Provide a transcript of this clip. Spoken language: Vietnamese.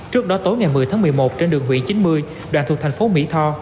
trước đó tối ngày một mươi tháng một mươi một trên đường hủy chín mươi đoạn thuộc thành phố mỹ tho